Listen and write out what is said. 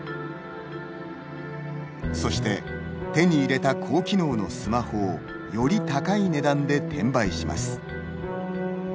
そして手に入れた高機能のスマホをより高い値段で転売します。